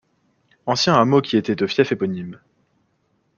Ancien hameau qui était au fief éponyme.